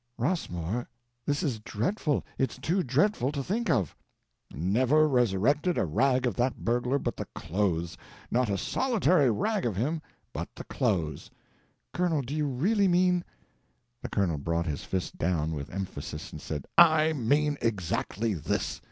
"Rossmore, this is dreadful—it's too dreadful to think of!" "Never resurrected a rag of that burglar but the clothes, not a solitary rag of him but the clothes." "Colonel, do you really mean—" The Colonel brought his fist down with emphasis and said: "I mean exactly this.